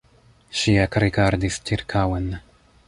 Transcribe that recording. Ŝi ekrigardis ĉirkaŭen.